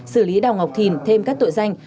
xử lý đào ngọc thìn thêm các tội danh